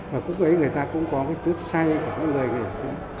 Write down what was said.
và cũng vậy người ta cũng có cái tước say của người nghệ sĩ